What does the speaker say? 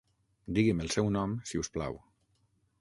Digui'm el seu nom si us plau.